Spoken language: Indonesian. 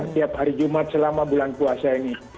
tiap hari jumat selama bulan puasa ini